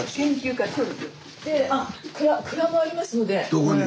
どこに？